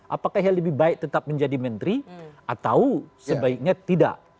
apakah yang lebih baik tetap menjadi menteri atau sebaiknya tidak